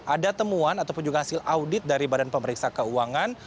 ada temuan ataupun juga hasil audit dari badan pemeriksa keuangan